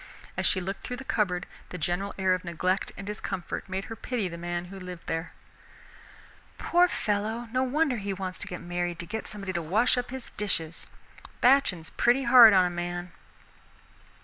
As she looked through the cupboard, the general air of neglect and discomfort made her pity the man who lived there. "Poor fellow, no wonder he wants to get married to get somebody to wash up his dishes. Batchin's pretty hard on a man."